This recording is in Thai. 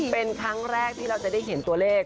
เป็นครั้งแรกที่เราจะได้เห็นตัวเลข